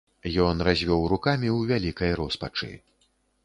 Ён развёў рукамі ў вялікай роспачы.